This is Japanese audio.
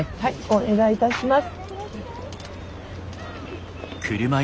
お願いいたします。